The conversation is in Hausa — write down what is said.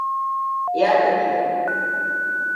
Ya tafi.